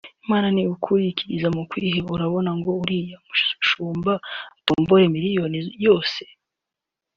“Imana ni ukuri ikiriza mu kwiheba urabona ngo uriya mushumba atombore miliyoni yose